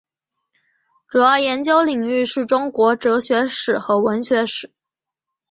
主要研究领域是中国哲学史和文学史。